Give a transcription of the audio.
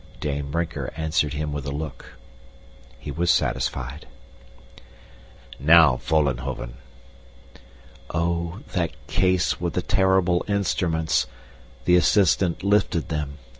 Dame Brinker answered him with a look. He was satisfied. "Now, Vollenhoven." Oh, that case with the terrible instruments! The assistant lifted them.